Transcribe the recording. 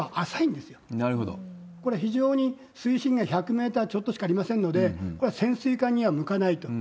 これは非常に水深が１００メーターちょっとしかありませんので、これは潜水艦には向かないと。